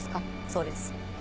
そうです。